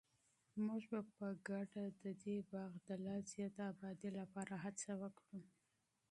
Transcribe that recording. موږ به په ګډه د دې باغ د لا زیاتې ابادۍ لپاره هڅه وکړو.